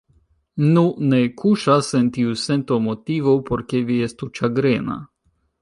Nu, ne kuŝas en tiu sento motivo, por ke vi estu ĉagrena.